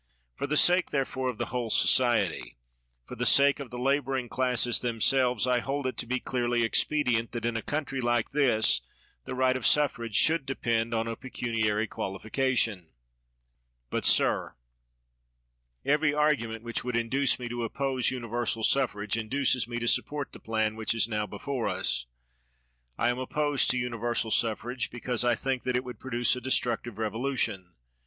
For the sake, therefore, of the whole society — for the sake of the laboring classes them selves — I hold it to be clearly expedient that, in a country like this, the right of s ffrage should depend on a pecuniary quaiiiication. But, sir, every argument which would induce me to oppose universal suffrage induces me to support the plan which is now before us. I am opposed to universal suffrage, because I think that it would produce a destructive revolution.